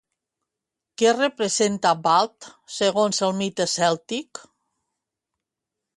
Què representa Badb segons el mite cèltic?